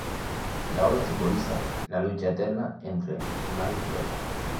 La obra simboliza la lucha eterna entre mar y tierra.